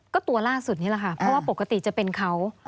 ก็ตัวล่าสุดนี่แหละค่ะเพราะว่าปกติจะเป็นเขา